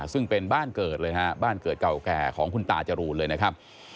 ซึ่งเป็นบ้านเกิดเลยนะฮะบ้านเกิดเก่าแก่ของคุณตาจรูนเลยนะครับ